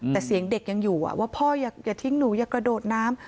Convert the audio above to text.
แต่เสียงเด็กยังอยู่ว่าพ่ออย่าทิ้งหนูอย่ากระโดดน้ำ